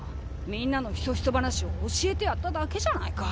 みんなのひそひそ話を教えてやっただけじゃないか。